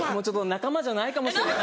仲間じゃないかもしれない。